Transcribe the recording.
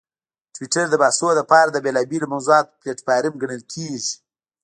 ټویټر د بحثونو لپاره د بېلابېلو موضوعاتو پلیټفارم ګڼل کېږي.